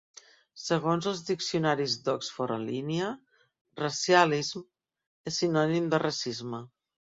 Segons els diccionaris d'Oxford en línia, "racialism" és 'sinònim de racisme'.